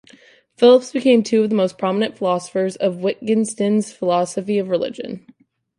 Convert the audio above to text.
Phillips became two of the most prominent philosophers on Wittgenstein's philosophy of religion.